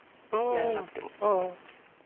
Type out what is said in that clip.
やらなくても。